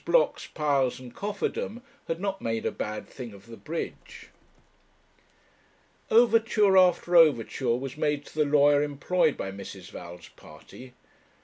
Blocks, Piles, and Cofferdam, had not made a bad thing of the bridge. Overture after overture was made to the lawyer employed by Mrs. Val's party.